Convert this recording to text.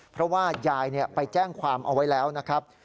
เพราะว่ายายไปแจ้งความเอาไว้แล้วนะครับ